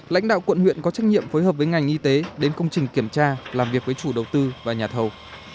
lãnh đạo quận huyện có trách nhiệm phối hợp với ngành y tế đến công trình kiểm tra làm việc với chủ đầu tư và nhà thầu